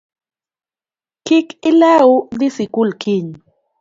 Kik ilew dhi sikul kiny